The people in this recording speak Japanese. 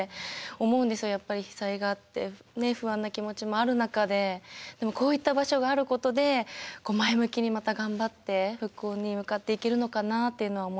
やっぱり被災があって不安な気持ちもある中ででもこういった場所があることで前向きにまた頑張って復興に向かっていけるのかなっていうのは思いました。